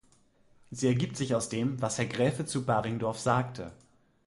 Sie ergibt sich aus dem, was Herr Graefe zu Baringdorf sagte.